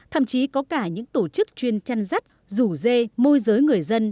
thậm chí có cả những tổ chức chuyên chăn rắt rủ dê môi giới người dân